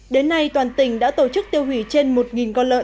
đến nay toàn tỉnh đã tổ chức tiêu hủy trên một con lợn